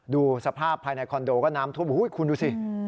ดูสภาพภายในคอนโดก็น้ำท่วมคุณดูสิ